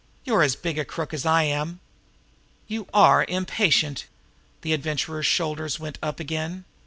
You're as big a crook as I am!" "You are impatient!" The Adventurer's shoulders went up again.